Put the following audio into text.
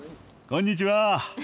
こんにちは。